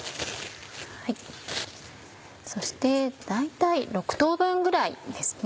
そして大体６等分ぐらいですね。